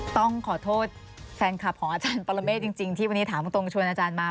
ต้องขอโทษแฟนคลับของอาจารย์ปรเมฆจริงที่วันนี้ถามตรงชวนอาจารย์มา